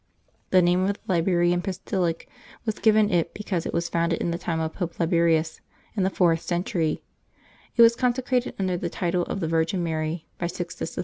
The name of the Liberian Basilic was given it because it was founded in the time of Pope Liberius, in the fourth century ; it was consecrated, under the title of the Virgin Mary, by Sixtus III.